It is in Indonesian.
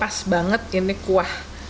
pas banget ini kuah